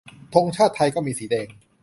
ธงชาติไทยก็มีสีแดง